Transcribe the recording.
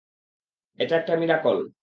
এটা একটা মিরাকল!